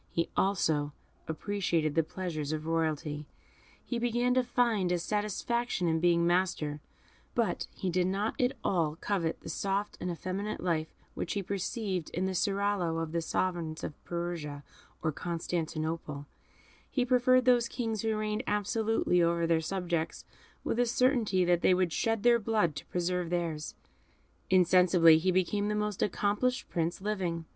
He also appreciated the pleasures of royalty, he began to find a satisfaction in being master, but he did not at all covet the soft and effeminate life which he perceived in the seraglios of the sovereigns of Persia and Constantinople; he preferred those kings who reigned absolutely over their subjects, with a certainty that they would shed their blood to preserve theirs. Insensibly he became the most accomplished Prince living.